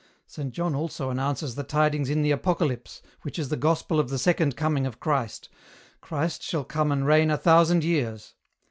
Saint John also announces the tidings in the Apocalypse, which is the gospel of the second coming of Christ, 'Christ shall come and reign a thousand years.'